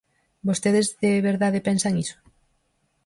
¿Vostedes de verdade pensan iso?